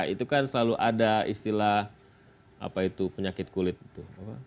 itu kan selalu ada istilah apa itu penyakit kulit itu